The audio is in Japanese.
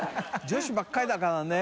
女子ばっかりだからね。